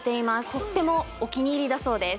とってもお気に入りだそうです